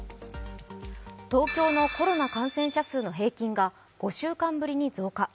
東京のコロナ感染者数の平均が５週間ぶりに増加。